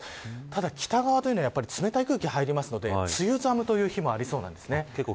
ただ、北側はやっぱり冷たい空気が入るので梅雨寒という日もありそうです。